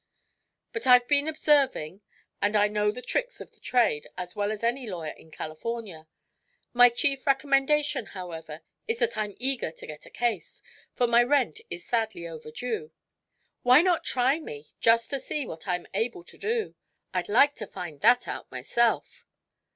But I've been observing and I know the tricks of the trade as well as any lawyer in California. My chief recommendation, however, is that I'm eager to get a case, for my rent is sadly overdue. Why not try me, just to see what I'm able to do? I'd like to find that out myself."